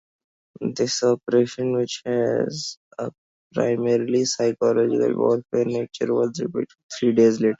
This operation, which was of a primarily psychological-warfare nature, was repeated three days later.